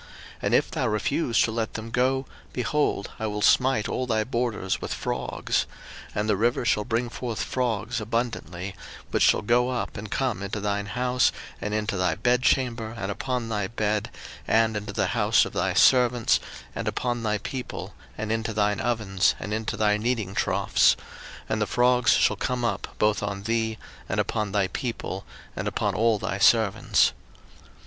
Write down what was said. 02:008:002 And if thou refuse to let them go, behold, I will smite all thy borders with frogs: 02:008:003 And the river shall bring forth frogs abundantly, which shall go up and come into thine house, and into thy bedchamber, and upon thy bed, and into the house of thy servants, and upon thy people, and into thine ovens, and into thy kneadingtroughs: 02:008:004 And the frogs shall come up both on thee, and upon thy people, and upon all thy servants.